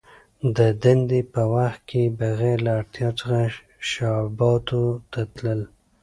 د دندي په وخت کي بغیر له اړتیا څخه شعباتو ته تلل .